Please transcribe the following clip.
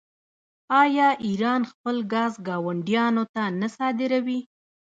آیا ایران خپل ګاز ګاونډیانو ته نه صادروي؟